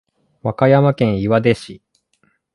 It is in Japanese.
和歌山県岩出市